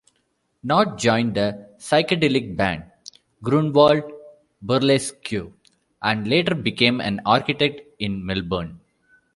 Nott joined the psychedelic band, Grunewald Burlesque, and later became an architect in Melbourne.